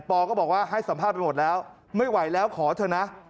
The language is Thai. อก็บอกว่าให้สัมภาษณ์ไปหมดแล้วไม่ไหวแล้วขอเถอะนะ